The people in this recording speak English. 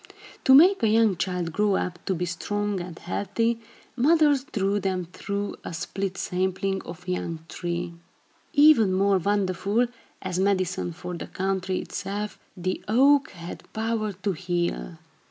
To make a young child grow up to be strong and healthy, mothers drew them through a split sapling or young tree. Even more wonderful, as medicine for the country itself, the oak had power to heal.